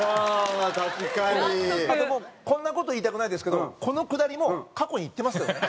あともうこんな事言いたくないですけどこのくだりも過去に言ってますけどね。